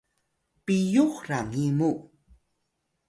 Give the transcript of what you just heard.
piyux rangi mu